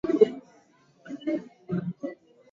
Uhusiano baina ya nchi hizi ni wa kimkakati